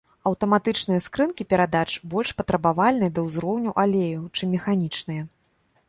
Аўтаматычныя скрынкі перадач больш патрабавальныя да ўзроўню алею, чым механічныя.